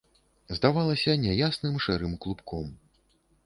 Здавалася няясным, шэрым клубком.